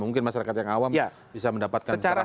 mungkin masyarakat yang awam bisa mendapatkan kerahasia